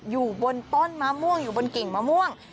อยู่บนต้นมะม่วงอยู่บนกิ่งมะม่วง